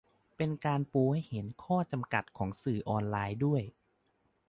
เป็นการปูให้เห็นข้อจำกัดของสื่อออนไลน์ด้วย